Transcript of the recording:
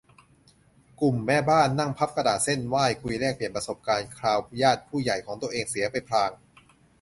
กลุ่มแม่บ้าน นั่งพับกระดาษเซ่นไหว้ คุยแลกเปลี่ยนประสบการณ์คราวญาติผู้ใหญ่ของตัวเสียไปพลาง